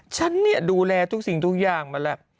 ฉันเนี่ยดูแลทุกสิ่งทุกอย่างมาแล้ว